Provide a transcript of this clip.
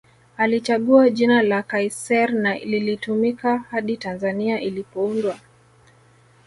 Alichagua jina la Kaiser na lilitumika hadi Tanzania ilipoundwa